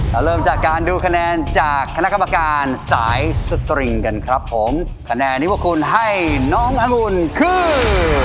เราเริ่มจากการดูคะแนนจากคณะกรรมการสายสตริงกันครับผมคะแนนที่พวกคุณให้น้องอรุณคือ